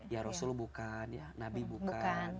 ya rasul bukan ya nabi bukan